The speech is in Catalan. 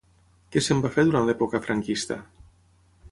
Què se'n va fer durant l'època franquista?